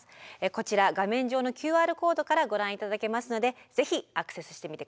こちら画面上のＱＲコードからご覧いただけますので是非アクセスしてみてください。